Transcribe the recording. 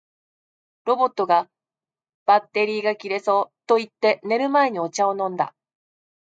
ロボットが「バッテリーが切れそう」と言って、寝る前にお茶を飲んだ